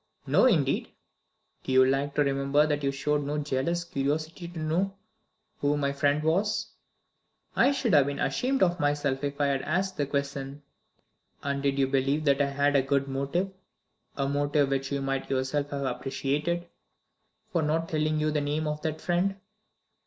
"No, indeed!" "Do you like to remember that you showed no jealous curiosity to know who my friend was?" "I should have been ashamed of myself if I had asked the question." "And did you believe that I had a good motive a motive which you might yourself have appreciated for not telling you the name of that friend?"